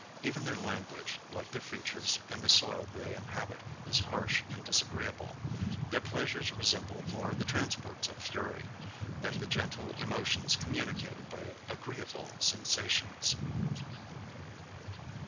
Even their language, like their features, and the soil they inhabit, is harsh and disagreeable. Their pleasures resemble more the transports of fury, than the gentle emotions communicated by agreeable sensations.